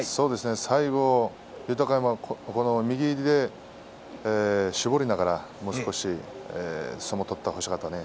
最後、豊山は右で絞りながらもう少し相撲を取ってほしかったね。